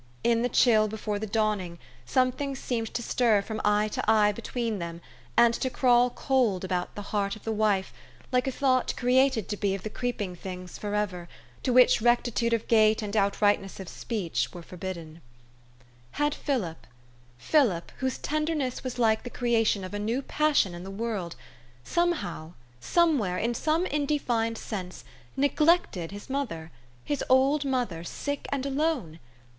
" In the chill before the dawning " some thing seemed to stir from eye to eye between them, and to crawl cold about the heart of the wife, like a thought created to be of the creeping things forever, to which rectitude of gait and outrightness of speech, were forbidden. 206 THE STORY OF AVIS. Had Philip Philip, whose tenderness was like the creation of a uew passion in the world some how, somewhere, in some indefined sense, neglected his mother, his old mother, sick and alone?